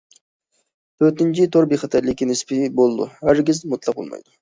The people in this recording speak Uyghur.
تۆتىنچى، تور بىخەتەرلىكى نىسپىي بولىدۇ، ھەرگىز مۇتلەق بولمايدۇ.